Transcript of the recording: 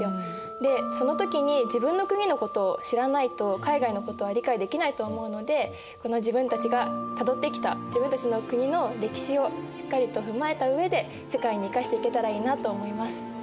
その時に自分の国のことを知らないと海外のことは理解できないと思うのでこの自分たちがたどってきた自分たちの国の歴史をしっかりと踏まえたうえで世界に生かしていけたらいいなと思います。